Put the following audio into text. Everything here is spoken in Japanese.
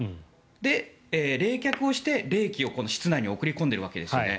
で、冷却して冷気を室内に送り込んでいるわけですよね。